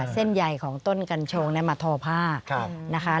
เส้นใยของต้นกัญชงมาทอผ้า